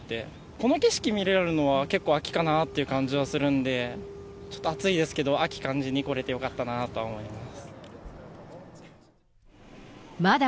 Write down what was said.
この景色見れるのは、結構秋かなっていう感じはするんで、ちょっと暑いですけど、秋、感じに来れてよかったなとは思います。